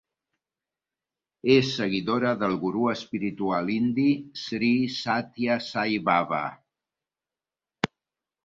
És seguidora del gurú espiritual indi Sri Sathya Sai Baba.